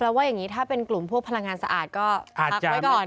แล้วว่าอย่างนี้ถ้าเป็นกลุ่มพวกพลังงานสะอาดก็พักไว้ก่อน